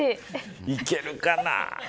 行けるかな。